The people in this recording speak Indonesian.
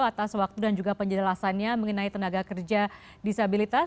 atas waktu dan juga penjelasannya mengenai tenaga kerja disabilitas